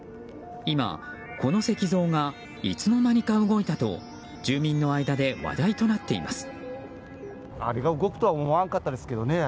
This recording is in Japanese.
今、この石像がいつの間にか動いたと住民の間で話題となっています。